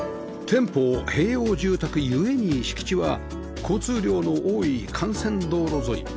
店舗併用住宅ゆえに敷地は交通量の多い幹線道路沿い